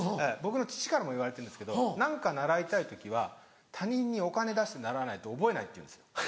僕の父からも言われてるんですけど「何か習いたい時は他人にお金出して習わないと覚えない」って言うんですよ。